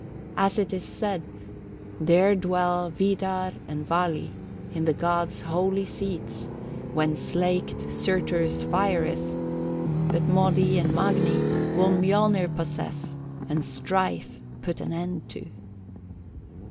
As it is said, "'There dwell Vidar and Vali In the gods' holy seats, When slaked Surtur's fire is But Modi and Magni Will Mjolnir possess, And strife put an end to.'